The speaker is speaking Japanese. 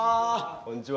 こんにちは。